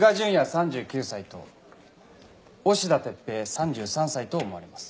３９歳と押田徹平３３歳と思われます。